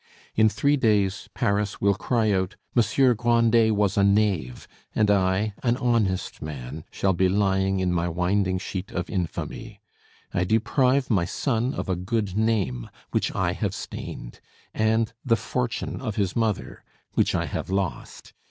In three days Paris will cry out: "Monsieur Grandet was a knave!" and I, an honest man, shall be lying in my winding sheet of infamy. I deprive my son of a good name, which I have stained, and the fortune of his mother, which I have lost.